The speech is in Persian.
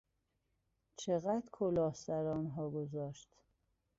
چقدر کلاه سرآنها گذاشت؟